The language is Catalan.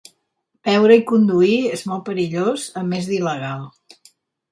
Beure i conduir és molt perillós, a més d'il·legal.